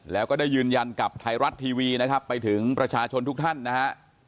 แล้วก็ได้ยืนยันกับไทยรัฐทีวีนะครับไปถึงประชาชนทุกท่านนะฮะ